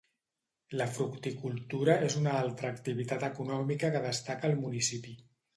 La fructicultura és una altra activitat econòmica que destaca al municipi.